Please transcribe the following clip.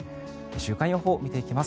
週間予報を見ていきます。